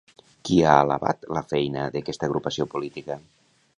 Qui ha alabat la feina d'aquesta agrupació política?